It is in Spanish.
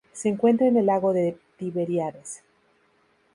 Se encuentra en el lago de Tiberíades.